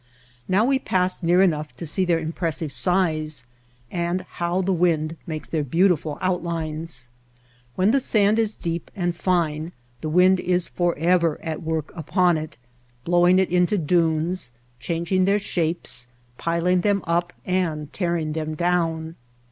Now we passed near enough to see their impressive size and how the wind makes their beautiful outlines. When the sand is deep and fine the wind is forever at work upon it, blowing it into dunes, changing their shapes, piling them up and tearing them down.